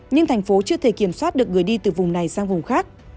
nhưng thành phố chưa thể kiểm soát được người đi từ vùng này sang vùng khác